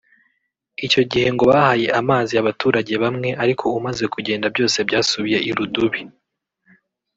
icyo gihe ngo bahaye amazi abaturage bamwe ariko umaze kugenda byose byasubiye irudubi